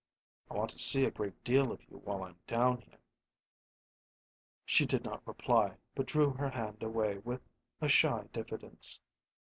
"I want to see a great deal of you while I'm down here." She did not reply, but drew her hand away with a shy diffidence.